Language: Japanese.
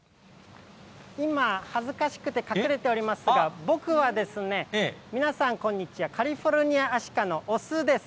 今、恥ずかしくて隠れておりますが、僕は、皆さんこんにちは、カリフォルニアアシカの雄です。